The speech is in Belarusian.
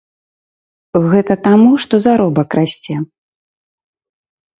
Гэта таму, што заробак расце.